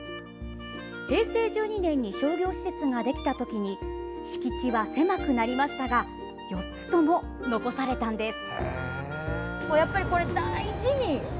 平成１２年に商業施設ができたときに敷地は狭くなりましたが４つとも残されたんです。